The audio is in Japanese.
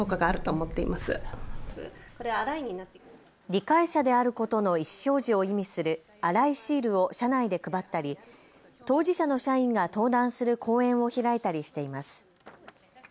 理解者であることの意思表示を意味するアライシールを社内で配ったり、当事者の社員が登壇する講演を開いたりしています。